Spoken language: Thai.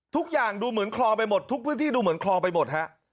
ทุกอย่างดูเหมือนคลองไปหมดทุกพื้นที่ดูเหมือนคลองไปหมดฮะ